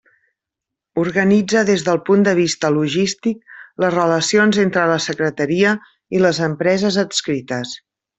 Organitza des del punt de vista logístic les relacions entre la Secretaria i les empreses adscrites.